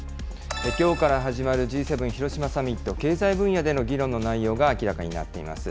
きょうから始まるＧ７広島サミット、経済分野での議論の内容が明らかになっています。